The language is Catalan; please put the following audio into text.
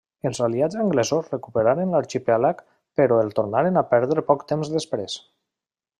Els aliats anglesos recuperaren l'arxipèlag però el tornaren a perdre poc temps després.